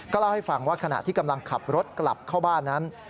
เล่าให้ฟังว่าขณะที่กำลังขับรถกลับเข้าบ้านนั้น